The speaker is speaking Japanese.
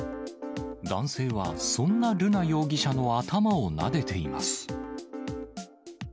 男性はそんな瑠奈容疑者の頭をなでています。